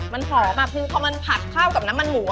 มันหอมคือมันผัดข้าวกับน้ำมันหมู